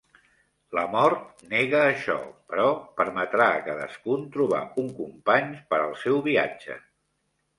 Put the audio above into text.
La mort nega això, però permetrà a cadascun trobar un company per al seu viatge.